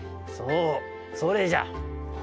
そうそれじゃ。